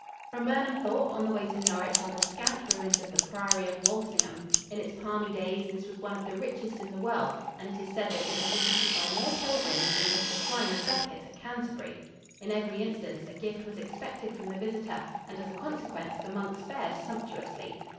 From Burnham Thorpe on the way to Norwich are the scant ruins of the priory of Walsingham. In its palmy days this was one of the richest in the world, and it is said that it was visited by more pilgrims than was the shrine of Becket at Canterbury. In every instance a gift was expected from the visitor, and as a consequence the monks fared sumptuously.